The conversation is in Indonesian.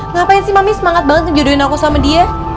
ngapain sih mami semangat banget ngejodohin aku sama dia